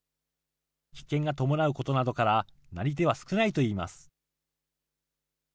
危険が伴うことなどから、なり手は少ないといいます。